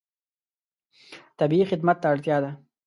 طبیعي خدمت ته اړتیا ده.